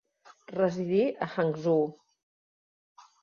Residí a Hangzhou.